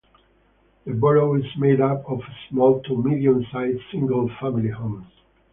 The borough is made up of small to medium-sized single family homes.